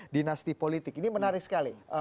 dinasti politik ini menarik sekali